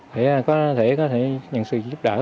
thì có thể nhận sự giúp đỡ